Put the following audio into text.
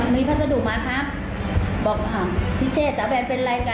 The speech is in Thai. มีพัสดุมาครับบอกว่าพี่เชฟตาแบนเป็นไรกัน